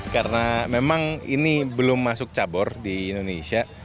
karena memang ini belum masuk cabur di indonesia